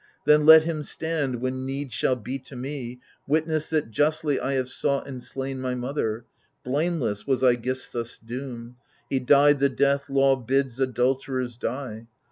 Then let him stand, when need shall be to me, Witness that justly I have sought and slain My mother ; blameless was iCgisthus' doom — He died the death law bids adulterers die.